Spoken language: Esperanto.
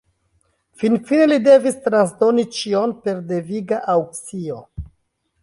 Finfine li devis transdoni ĉion per deviga aŭkcio.